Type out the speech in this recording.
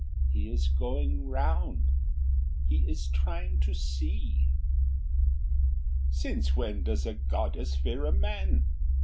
he is going round ... he is trying to see." "Since when does a goddess fear a man?"